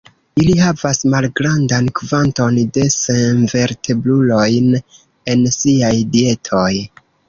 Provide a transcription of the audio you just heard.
Ili havas malgrandan kvanton de senvertebrulojn en siaj dietoj.